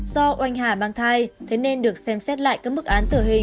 do oanh hà mang thai thế nên được xem xét lại các mức án tử hình